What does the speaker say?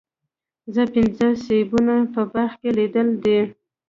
زه پنځه سیبونه په باغ کې لیدلي دي.